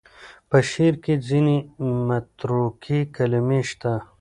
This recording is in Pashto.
په شعر کې ځینې متروکې کلمې شته.